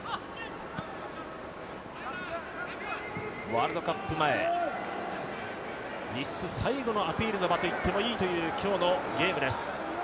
ワールドカップ前、実質最後のアピールの場と言ってもいい今日のゲームです。